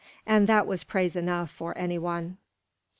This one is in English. And that was praise enough for any one.